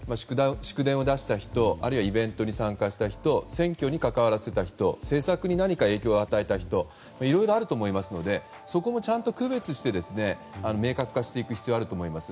祝電を出した人イベントを参加した人選挙に関わらせた人政策に何か影響を与えた人いろいろあると思いますのでそこをちゃんと区別して明確化していく必要があると思います。